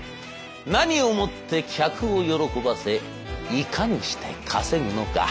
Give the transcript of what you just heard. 何をもって客を喜ばせいかにして稼ぐのか。